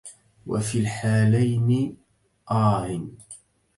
وفي الحالين! آه!